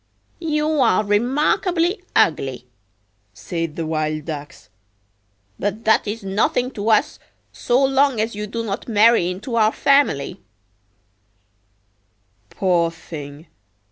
"You are remarkably ugly!" said the Wild Ducks. "But that is nothing to us, so long as you do not marry into our family."Poor thing!